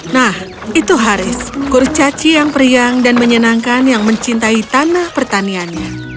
nah itu haris kurcaci yang periang dan menyenangkan yang mencintai tanah pertaniannya